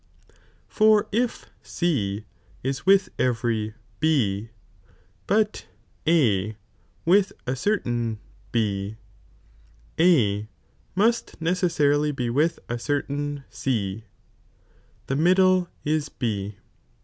For if C is with every B, but A with a, certain B, A must necessarily bo with a certain C, tlia middle ia B.